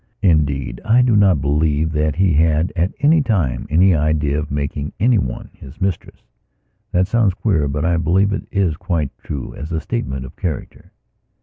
Indeed, I do not believe that he had, at any time, any idea of making any one his mistress. That sounds queer; but I believe it is quite true as a statement of character.